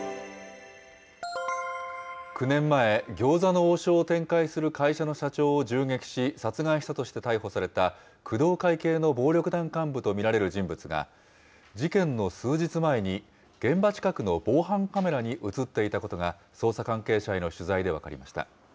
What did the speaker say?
９年前、餃子の王将を展開する会社の社長を銃撃し、殺害したとして逮捕された工藤会系の暴力団幹部と見られる人物が、事件の数日前に、現場近くの防犯カメラに写っていたことが捜査関係者への取材で分かりました。